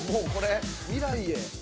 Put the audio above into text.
◆未来へ。